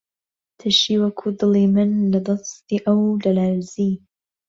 تەشی وەکو دڵی من، لە دەستی ئەو دەلەرزی